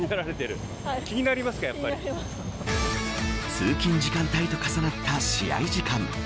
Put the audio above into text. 通勤時間帯と重なった試合時間。